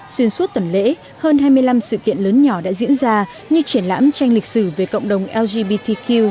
xuyên suốt tuần lễ hơn hai mươi năm sự kiện lớn nhỏ đã diễn ra như triển lãm tranh lịch sử về cộng đồng lgbtq